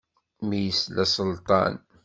Mi yesla Selṭan.